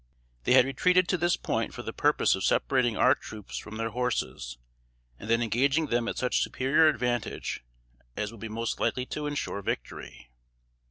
They had retreated to this point for the purpose of separating our troops from their horses, and then engaging them at such superior advantage as would be most likely to insure victory.